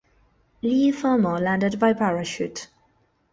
Leigh Fermor landed by parachute.